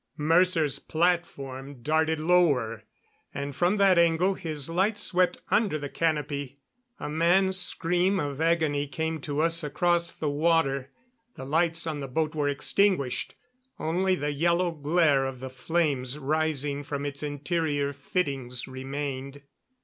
Mercer's platform darted lower, and from that angle his light swept under the canopy. A man's scream of agony came to us across the water. The lights on the boat were extinguished; only the yellow glare of the flames rising from its interior fittings remained.